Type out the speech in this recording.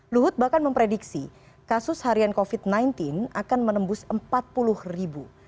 luhut bahkan memprediksi kasus harian covid sembilan belas akan menembus empat puluh ribu